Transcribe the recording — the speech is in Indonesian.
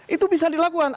itu bisa dilakukan